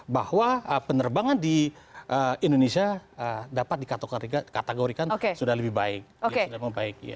bahwa penerbangan di indonesia dapat dikategorikan sudah lebih baik